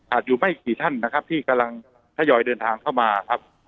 อยู่ไม่กี่ท่านนะครับที่กำลังทยอยเดินทางเข้ามาครับ